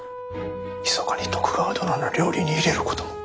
ひそかに徳川殿の料理に入れることも。